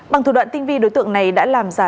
bằng thủ đoạn tinh vi đối tượng này đã làm giả